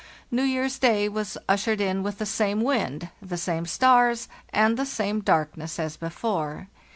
" New year's day was ushered in with the same wind, the same stars, and the same darkness as before.